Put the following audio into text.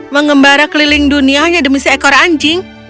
mengembara keliling dunia hanya demi seekor anjing